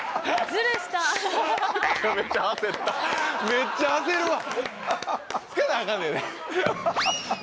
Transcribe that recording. めっちゃ焦るわ！